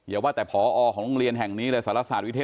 อย่าว่าแต่พอของโรงเรียนแห่งนี้เลยสารศาสตวิเทศ